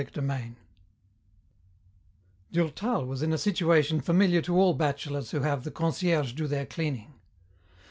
CHAPTER III Durtal was in a situation familiar to all bachelors who have the concierge do their cleaning.